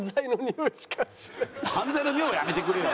犯罪のにおいはやめてくれよ。